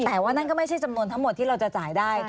แต่ว่านั่นก็ไม่ใช่จำนวนทั้งหมดที่เราจะจ่ายได้